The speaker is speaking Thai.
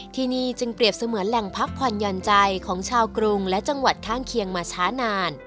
ที่นี่จึงเปรียบเสมือนแหล่งพักผ่อนหย่อนใจของชาวกรุงและจังหวัดข้างเคียงมาช้านาน